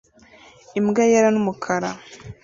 Imbwa yera n'umukara